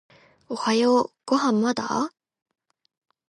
おはようご飯まだ？